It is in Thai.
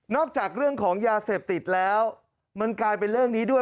จากเรื่องของยาเสพติดแล้วมันกลายเป็นเรื่องนี้ด้วย